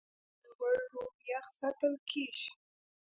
دا سرور روم یخ ساتل کېږي.